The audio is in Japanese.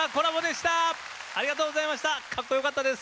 かっこよかったです。